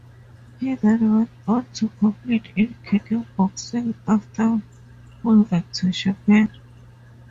He then went on to compete in kickboxing after moving to Japan.